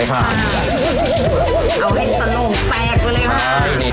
เอาให้สโรงแตกเลยค่ะใช่